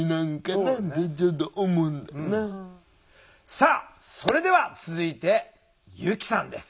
さあそれでは続いて由希さんです。